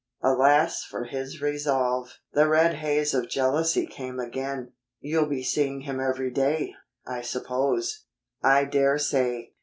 Alas for his resolve! The red haze of jealousy came again. "You'll be seeing him every day, I suppose." "I dare say.